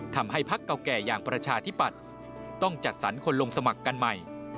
พักเก่าแก่อย่างประชาธิปัตย์ต้องจัดสรรคนลงสมัครกันใหม่